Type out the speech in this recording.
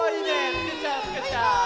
つくっちゃおうつくっちゃおう！